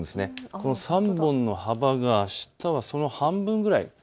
この３本の幅があしたはその半分ぐらい。